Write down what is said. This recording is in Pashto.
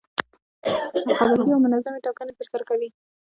رقابتي او منظمې ټاکنې ترسره کوي.